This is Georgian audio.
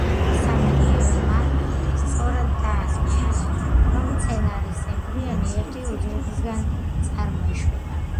სამაგიეროდ, მან სწორად დაასკვნა, რომ მცენარის ემბრიონი ერთი უჯრედისგან წარმოიშვება.